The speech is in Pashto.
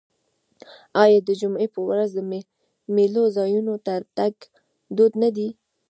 آیا د جمعې په ورځ د میلو ځایونو ته تګ دود نه دی؟